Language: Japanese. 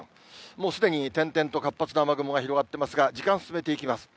もうすでに点々と活発な雨雲が広がってますが、時間進めていきます。